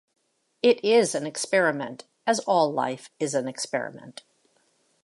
It is an experiment, as all life is an experiment.